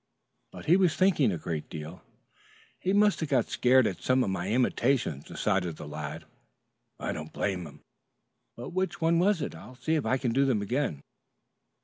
But he was thinking a great deal. "He must have got scared at some of my imitations," decided the lad. "I don't blame him." "But which one was it? I'll see if I can do them again."